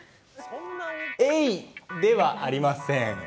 エイでは、ありません。